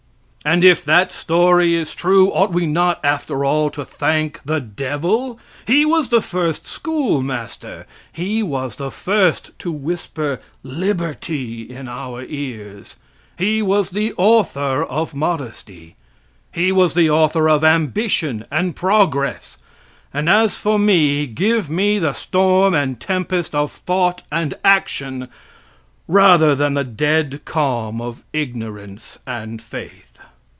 And if that story is true, ought we not after all to thank the devil? He was the first school master; he was the first to whisper liberty in our ears; he was the author of modesty. He was the author of ambition and progress. And as for me, give me the storm and tempest of thought and action rather than the dead calm of ignorance and faith.